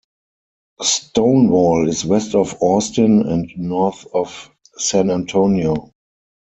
Stonewall is west of Austin and north of San Antonio.